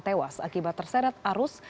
tewas akibat terseret arus